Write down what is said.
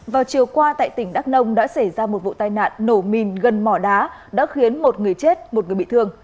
vào chiều qua tại tỉnh đắk nông đã xảy ra một vụ tai nạn nổ mìn gần mỏ đá đã khiến một người chết một người bị thương